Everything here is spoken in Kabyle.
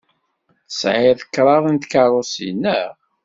Tesɛiḍ kraḍt n tkeṛṛusin, naɣ?